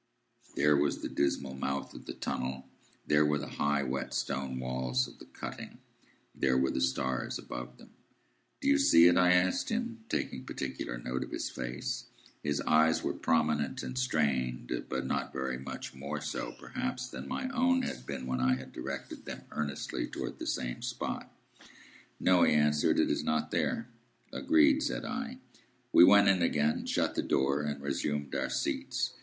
There was the dismal mouth of the tunnel. There were the high, wet stone walls of the cutting. There were the stars above them. "Do you see it?" I asked him, taking particular note of his face. His eyes were prominent and strained, but not very much more so, perhaps, than my own had been when I had directed them earnestly towards the same spot. "No," he answered. "It is not there." "Agreed," said I. We went in again, shut the door, and resumed our seats.